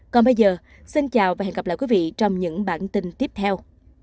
còn bây giờ xin chào và hẹn gặp lại quý vị trong những bản tin tiếp theo